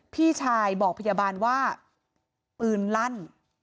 พี่ชายบอกพยาบาลว่าปืนลั่น